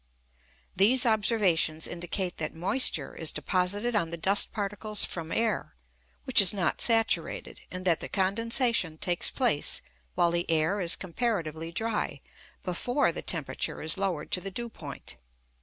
These observations indicate that moisture is deposited on the dust particles from air, which is not saturated, and that the condensation takes place while the air is comparatively dry, before the temperature is lowered to the dew point.